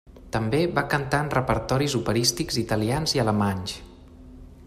També va cantar en repertoris operístics italians i alemanys.